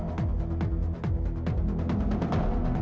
jangan peduliautu itu aja she creator